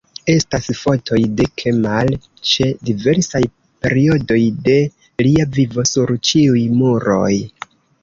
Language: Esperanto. Estas fotoj de Kemal ĉe diversaj periodoj de lia vivo sur ĉiuj muroj.